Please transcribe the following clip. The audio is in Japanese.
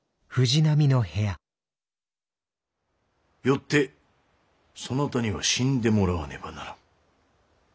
よってそなたには死んでもらわねばならぬ。